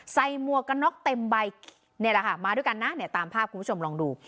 ใส่มวกนอกเต็มใบมาด้วยกันนะตามภาพคุณผู้ชมลองดู